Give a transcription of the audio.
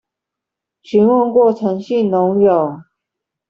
詢問過陳姓農友